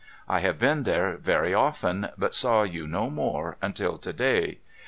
I have been there very often, but saw you no more until to day.